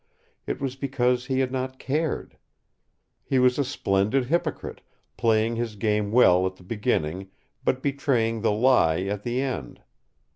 It was because he had not cared. He was a splendid hypocrite, playing his game well at the beginning, but betraying the lie at the end.